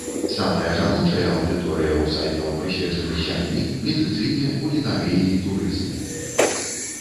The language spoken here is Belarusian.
Самая жаночая аўдыторыя ў сайтаў, прысвечаных сям'і, медыцыне, кулінарыі і турызму.